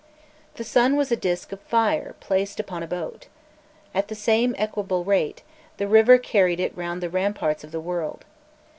The sun was a disc of fire placed upon a boat. At the same equable rate, the river carried it round the ramparts of the world.